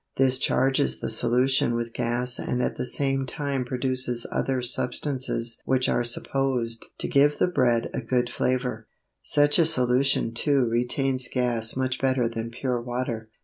This charges the solution with gas and at the same time produces other substances which are supposed to give the bread a good flavour. Such a solution too retains gas much better than pure water.